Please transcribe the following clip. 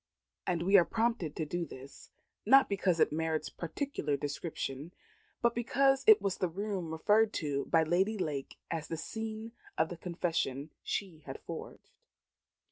And we are prompted to do this, not because it merits particular description, but because it was the room referred to by Lady Lake as the scene of the confession she had forged.